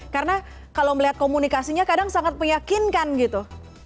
karena kalau melihat komunikasinya kadang sangat meyakinkan gitu